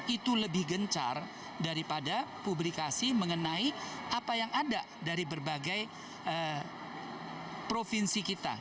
itu lebih gencar daripada publikasi mengenai apa yang ada dari berbagai provinsi kita